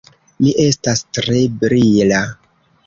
Mi estas tre brila.